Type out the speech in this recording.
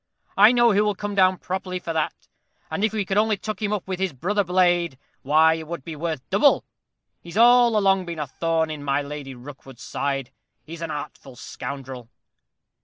I know who will come down properly for that; and if we could only tuck him up with his brother blade, why it would be worth double. He's all along been a thorn in my Lady Rookwood's side; he's an artful scoundrel."